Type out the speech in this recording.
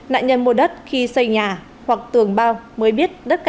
nạn nhân mua đất khi xây nhà hoặc tường bao mới biết